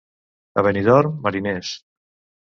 A Benidorm, mariners.